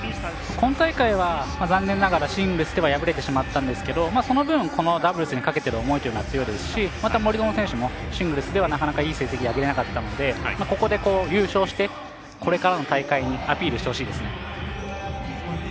今大会は残念ながらシングルスでは敗れてしまったんですけどその分、ダブルスにかける思いというのは強いですしまた森薗選手もシングルスではなかなかいい成績を挙げられなかったのでここで優勝してこれからの大会にアピールしてほしいですね。